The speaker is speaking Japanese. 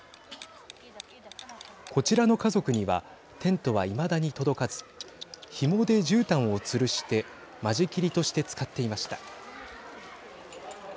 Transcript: こちらの家族にはテントはいまだに届かずひもでじゅうたんをつるして間仕切りとして使っていました。